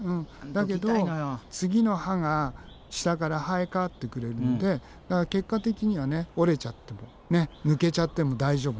だけど次の歯が下から生え変わってくるんでだから結果的には折れちゃっても抜けちゃっても大丈夫なの。